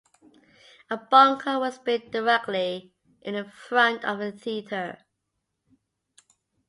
A bunker was built directly in front of the theatre.